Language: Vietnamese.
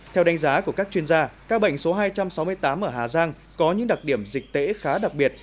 theo đánh giá của các chuyên gia các bệnh số hai trăm sáu mươi tám ở hà giang có những đặc điểm dịch tễ khá đặc biệt